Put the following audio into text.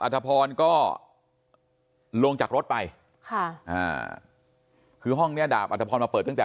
อัตภพรก็ลงจากรถไปคือห้องเนี่ยอัตภพรอัตภพรเปิดตั้งแต่